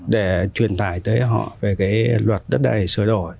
để truyền tải tới họ về cái luật đất đai sửa đổi